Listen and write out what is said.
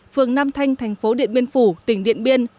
phường nam thanh tp điện biên phủ tỉnh điện biên